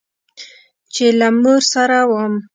چې له مور سره وم.